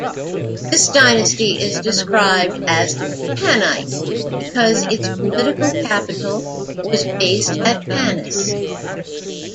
This dynasty is described as 'Tanite' because its political capital was based at Tanis.